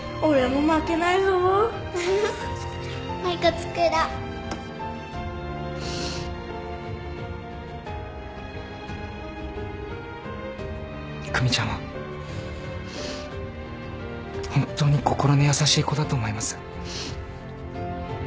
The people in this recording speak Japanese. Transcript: もう一個作ろう久美ちゃんは本当に心の優しい子だと思います。